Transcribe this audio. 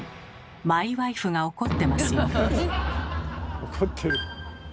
マイワイフが怒ってますよ。